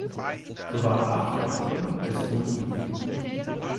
So waren acht Veränderungen des Tones möglich.